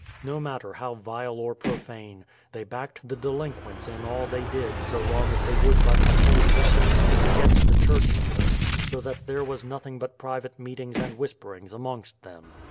No matter how vile or profane, they backed the delinquents in all they did so long as they would but uphold them and speak against the church here ; so that there was nothing but private meetings and whisper ings amongst them.